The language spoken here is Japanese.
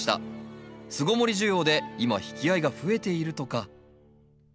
巣ごもり需要で今引き合いが増えているとか。